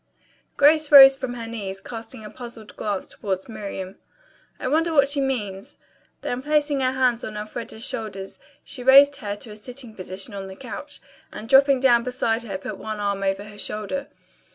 Grace rose from her knees, casting a puzzled glance toward Miriam. "I wonder what she means." Then placing her hands on Elfreda's shoulders she raised her to a sitting position on the couch and dropping down beside her put one arm over her shoulder.